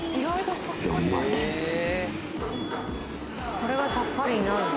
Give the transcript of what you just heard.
これがさっぱりになるの？